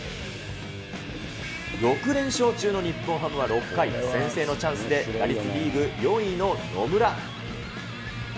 ６連勝中の日本ハムは６回、先制のチャンスで、打率リーグ４位の野村。